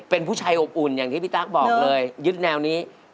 เป็นผู้ชายอบอุ่นอย่างที่พี่ตั๊กบอกเลยยึดแนวนี้